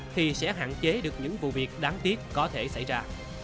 thì sẽ hạn chế được những vụ việc đáng tiếc có thể xảy ra